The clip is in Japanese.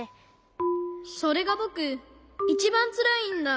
それがぼくいちばんつらいんだ。